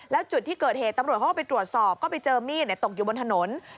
แล้วจุดที่เกิดเหตุตำรวจเขาก็ไปตรวจสอบก็ไปเจอมีดตกอยู่บนถนน